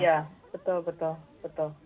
ya betul betul